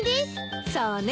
そうね。